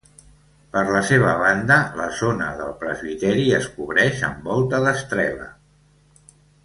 Per la seva banda la zona del presbiteri es cobreix amb volta d'estrela.